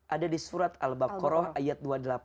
ada di surat al baqarah ayat dua ratus delapan puluh dua